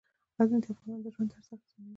غزني د افغانانو د ژوند طرز اغېزمنوي.